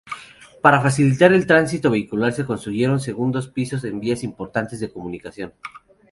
Para facilitar el tránsito vehicular se construyeron segundos pisos en vías importantes de comunicación.